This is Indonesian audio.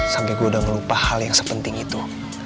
sampai gue udah ngelupa hal yang sepenting itu